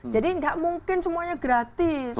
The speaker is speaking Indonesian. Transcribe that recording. jadi tidak mungkin semuanya gratis